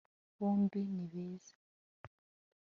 bombi ni beza